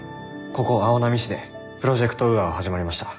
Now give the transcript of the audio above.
ここ青波市でプロジェクト・ウーアは始まりました。